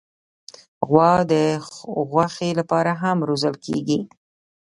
غوا د غوښې لپاره هم روزل کېږي.